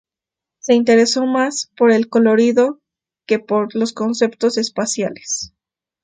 Se interesó más por el colorido que por los conceptos espaciales.